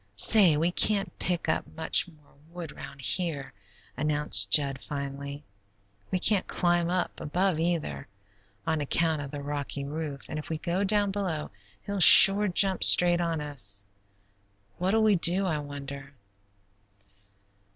Say, we can't pick up much more wood round here," announced Jud, finally. "We can't climb up above either, on account of the rocky roof, and if we go down below he'll sure jump straight on us. What'll we do, I wonder?"